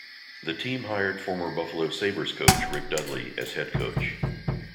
The team hired former Buffalo Sabres coach Rick Dudley as head coach.